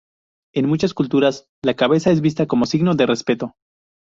En muchas culturas, la cabeza es vista como un signo de respeto.